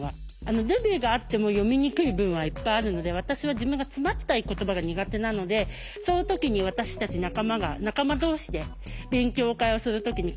ルビがあっても読みにくい文はいっぱいあるので私は自分がつまったい言葉が苦手なのでそのときに私たち仲間が仲間同士で勉強会をするときにこれを使います。